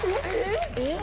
えっ！